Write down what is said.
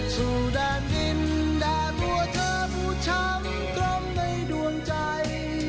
สู่แดนดินแดนหัวเธอผู้ช้ำกล้มในดวงใจ